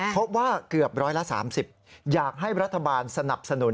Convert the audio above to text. พบว่าเกือบร้อยละ๓๐อยากให้รัฐบาลสนับสนุน